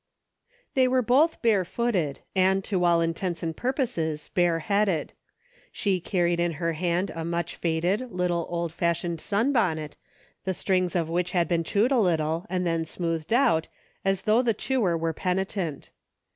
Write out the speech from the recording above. THEY were both barefooted, and, to all intents and purposes, bareheaded. She carried in her hand a much faded, little old fashioned sun bonnet, the strings of which had been chewed a little, and then smoothed out, as though the chewer were penitent.